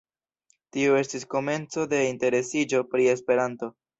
Tio estis komenco de interesiĝo pri Esperanto.